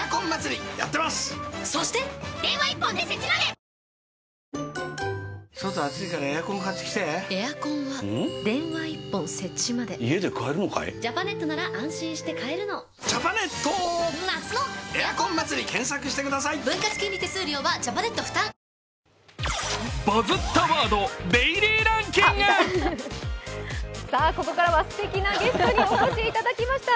続いてはここからはすてきなゲストにお越しいただきました。